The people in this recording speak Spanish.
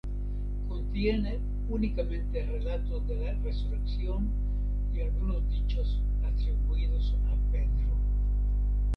Contiene únicamente relatos de la resurrección y algunos dichos atribuidos a Pedro.